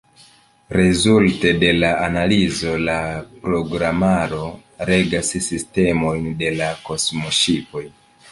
Rezulte de la analizo la programaro regas sistemojn de la kosmoŝipoj.